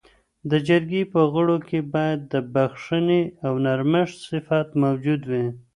د جرګې په غړو کي باید د بخښنې او نرمښت صفت موجود وي.